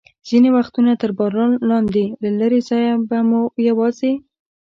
ځینې وختونه تر باران لاندې، له لرې ځایه به مو یوازې.